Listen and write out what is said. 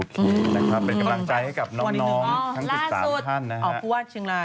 ค่ะโอเคเป็นกำลังใจให้กับน้องทั้ง๑๓ท่านนะฮะ